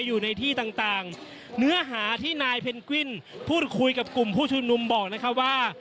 เมื่อหาที่นายเพนกวินพูดคุยกับกลุ่มผู้ชุมนุมบอกนะครับว่า